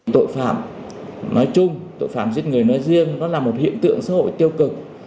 tội phạm nói chung tội phạm giết người nói riêng nó là một hiện tượng xã hội tiêu cực